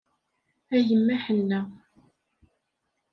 A yemma ḥenna.